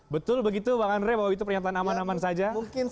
betul begitu bang andre bahwa itu pernyataan aman aman saja